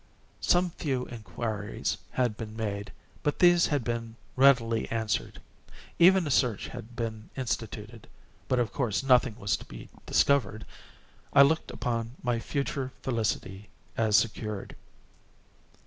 Some few inquiries had been made, but these had been readily answered. Even a search had been instituted—but of course nothing was to be discovered. I looked upon my future felicity as secured.